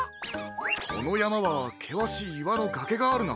このやまはけわしいいわのがけがあるな。